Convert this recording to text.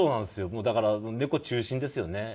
もうだから猫中心ですよね。